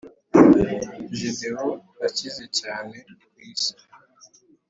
guerdon ikize cyane kwisi